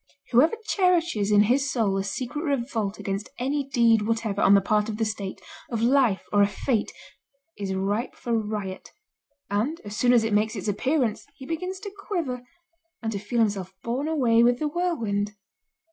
Whoever cherishes in his soul a secret revolt against any deed whatever on the part of the state, of life or of fate, is ripe for riot, and, as soon as it makes its appearance, he begins to quiver, and to feel himself borne away with the whirlwind.